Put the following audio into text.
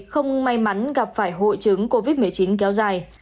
không may mắn gặp phải hội chứng covid một mươi chín kéo dài